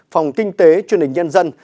phòng kinh tế chương trình nhân dân